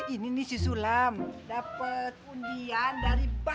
ini nih si sulam dapet kunjian dari bank